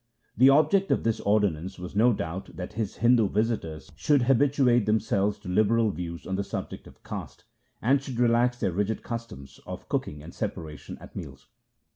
The object of this ordinance was no doubt that his Hindu visitors should habituate themselves to liberal views on the subject of caste, and should relax their rigid customs of cooking and separation at meals.